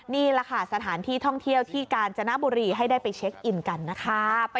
นี่แหละค่ะสถานที่ท่องเที่ยวที่กาญจนบุรีให้ได้ไปเช็คอินกันนะคะ